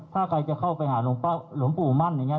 ถ้าใครจะเข้าไปหาหลวงพ่อหลวงปู่มั่นอย่างนี้